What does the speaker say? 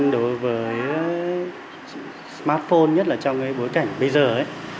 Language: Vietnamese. đối với smartphone nhất là trong cái bối cảnh bây giờ ấy